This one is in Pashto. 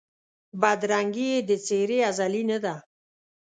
بدرنګي یې د څېرې ازلي نه ده